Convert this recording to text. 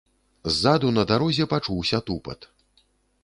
Ззаду на дарозе пачуўся тупат.